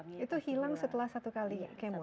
itu hilang setelah satu kali kemo